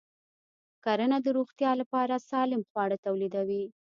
کرنه د روغتیا لپاره سالم خواړه تولیدوي.